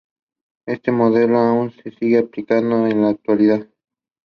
This allows ceremonies to be tailored to the beliefs of the couple.